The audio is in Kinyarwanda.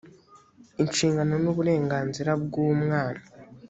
inshingano n uburenganzira bw umwana